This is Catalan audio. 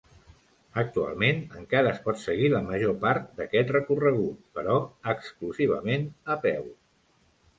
Actualment encara es pot seguir la major part d'aquest recorregut, però exclusivament a peu.